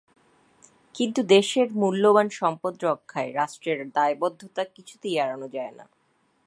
কিন্তু দেশের মূল্যবান সম্পদ রক্ষায় রাষ্ট্রের দায়বদ্ধতা কিছুতেই এড়ানো যায় না।